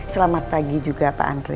selamat pagi juga pak andre